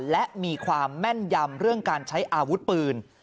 และมีความแม่นยำเรื่องการใช้อาวุธปืน